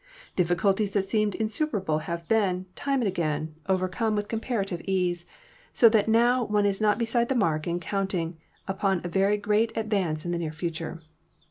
Difficulties that seemed insuperable have been, time and 224 ELECTRICITY again, overcome with comparative ease, so that now one is not beside the mark in counting upon a very general ad vance in the near future.